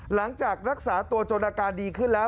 หลังจากรักษาตัวจนอาการดีขึ้นแล้ว